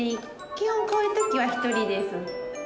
基本こういう時は一人です。